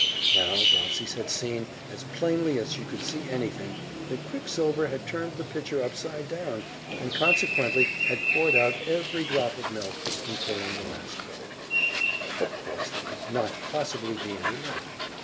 Now Baucis had seen, as plainly as she could see anything, that Quicksilver had turned the pitcher upside down, and consequently had poured out every drop of milk, in filling the last bowl. Of course, there could not possibly be any left.